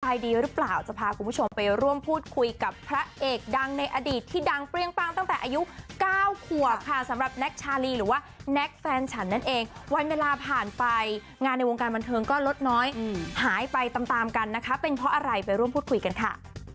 จะพาคุณผู้ชมไปร่วมพูดคุยกับพระเอกดังในอดีตที่ดังเปรี้ยงปังตั้งแต่อายุ๙ขวบค่ะสำหรับแน็กชาลีหรือว่าแน็กแฟนฉันนั่นเองวันเวลาผ่านไปงานในวงการบันเทิงก็ลดน้อยหายไปตามตามกันนะคะเป็นเพราะอะไรไปร่วมพูดคุยกันค่ะ